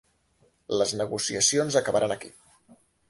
Les negociacions acabaren aquí.